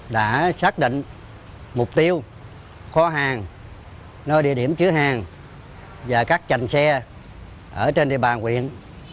đã xác định mục tiêu kho hàng nơi địa điểm chứa hàng và các chành xe ở trên địa bàn huyện